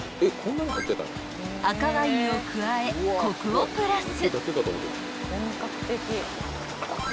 ［赤ワインを加えコクをプラス］